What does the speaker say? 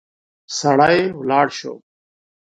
سړی ولاړ شو.